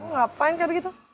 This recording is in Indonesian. lo ngapain kayak begitu